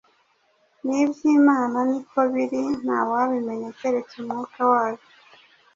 N’iby’Imana ni ko biri; nta wabimenya keretse umwuka wayo.